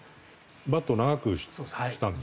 バットを長くしたんですね。